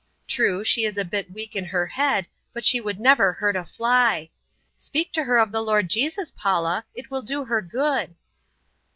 True, she is a bit weak in her head but she would never hurt a fly. Speak to her of the Lord Jesus, Paula! It will do her good."